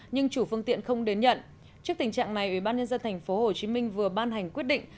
nhưng chủ phương tiện không đến nhận trước tình trạng này ủy ban nhân dân tp hcm vừa ban hành quyết định